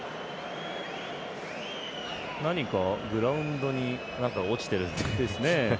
何かグラウンドに落ちてるってことですかね。